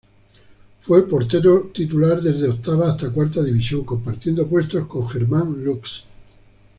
Fue portero titular desde octava hasta cuarta división, compartiendo puesto con Germán Lux.